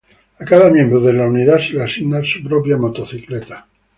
A cada miembro de la unidad se le asigna su propia motocicleta.